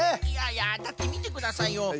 いやいやだってみてくださいよ。